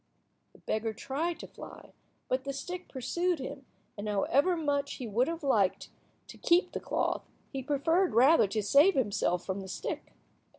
The beggar tried to fly, but the stick pursued him, and however much he would have liked to keep the cloth, he preferred rather to save himself from the stick.